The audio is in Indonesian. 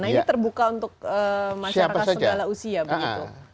nah ini terbuka untuk masyarakat segala usia begitu